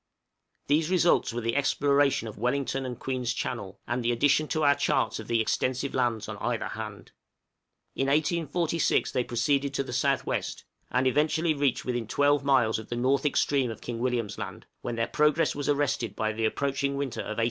These results were the exploration of Wellington and Queen's Channel, and the addition to our charts of the extensive lands on either hand. In 1846 they proceeded to the south west, and eventually reached within twelve miles of the north extreme of King William's Land, when their progress was arrested by the approaching winter of 1846 7.